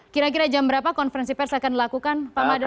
kira kira jam berapa konferensi pers akan dilakukan pak mada